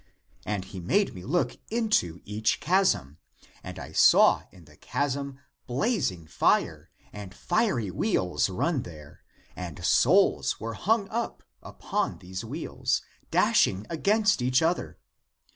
And he made me look into each chasm, and I saw in the chasm blazing fire, and fiery wheels run there, and souls were hung upon these wheels, dashing against each other.